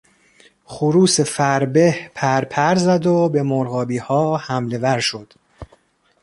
خروس فربه پرپر زد و به مرغابیها حملهور شد.